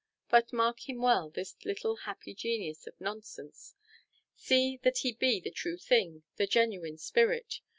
But mark him well this little happy genius of Nonsense; see that he be the true thing the genuine spirit.